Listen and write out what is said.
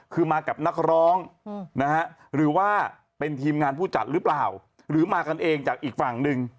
คือมากับนักร้องนะฮะหรือว่าเป็นทีมงานผู้จัดหรือเปล่าหรือมากันเองจากอีกฝั่งหนึ่ง